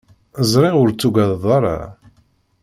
Ẓriɣ ur tugadeḍ ara.